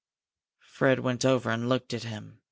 Fred went over and looked at him.